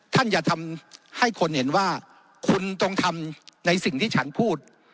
อย่าทำให้คนเห็นว่าคุณต้องทำในสิ่งที่ฉันพูด